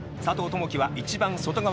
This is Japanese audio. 友祈は、一番外側。